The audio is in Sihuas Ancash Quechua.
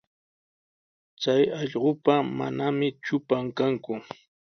Chay allqupa manami trupan kanku.